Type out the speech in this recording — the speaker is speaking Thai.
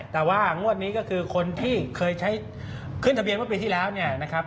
แต่ว่างวดนี้ก็คือคนที่เคยใช้ขึ้นทะเบียนเมื่อปีที่แล้วเนี่ยนะครับ